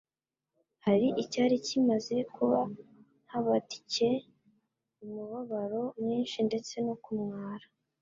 hari icyari kimaze kuba cyabatcye umubabaro mwinshi ndetse no kumwara.